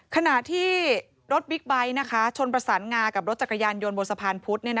ขณะที่รถบิ๊กไบท์ชนประสานงากับรถจักรยานยนต์บนสะพานพุธ